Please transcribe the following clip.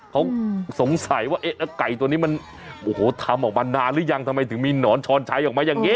เขาสงสัยว่าเอ๊ะแล้วไก่ตัวนี้มันโอ้โหทำออกมานานหรือยังทำไมถึงมีหนอนช้อนชัยออกมาอย่างนี้